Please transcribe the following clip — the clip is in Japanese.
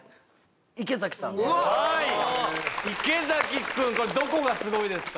池君これはどこがすごいですか？